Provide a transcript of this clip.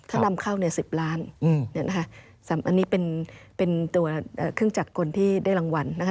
ถ้านำเข้า๑๐ล้านอันนี้เป็นตัวเครื่องจักรคนที่ได้รางวัล